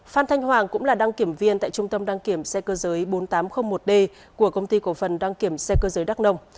phan thanh hoàng cũng là đăng kiểm viên tại trung tâm đang kiểm xe cơ giới bốn nghìn tám trăm linh một d của công ty cổ phân đang kiểm xe cơ giới đắk nông